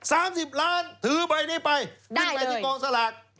๓๐ล้านถือใบนี้ไปขึ้นไปที่กองสลาก